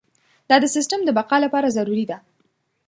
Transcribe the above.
دا د سیستم د بقا لپاره ضروري ده.